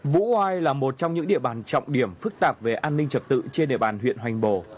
vũ oai là một trong những địa bàn trọng điểm phức tạp về an ninh trật tự trên địa bàn huyện hoành bồ